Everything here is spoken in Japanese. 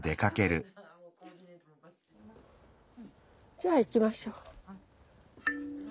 じゃあ行きましょう。